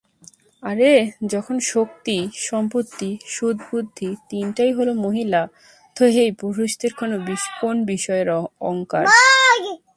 আরে যখন শক্তি, সম্পত্তি, সৎবুদ্ধি তিনটাই হলো মহিলা, তো এই পুরুষদের কোন বিষয়ের অংকার?